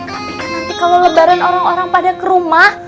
tapi nanti kalau lebaran orang orang pada ke rumah